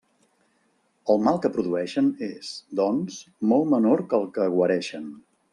El mal que produeixen és, doncs, molt menor que el que guareixen.